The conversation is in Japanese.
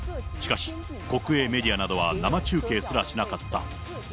しかし、国営メディアなどは生中継すらしなかった。